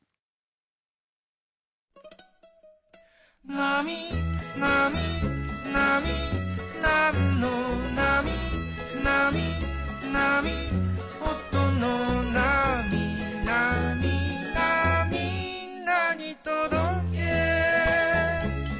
「なみなみなみなんのなみ」「なみなみおとのなみ」「なみなみんなにとどけ！」